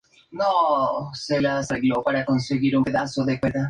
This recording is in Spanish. El músico fue denunciado por apología del delito, aunque finalmente fue sobreseído.